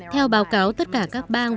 theo báo cáo tất cả các bang